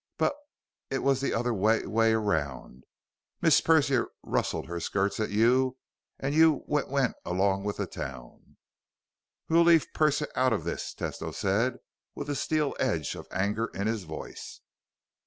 "B but it was the other w way around. Miss Persia rustled her skirts at you and you w went along with the town." "We'll leave Persia out of this," Tesno said with a steel edge of anger in his voice.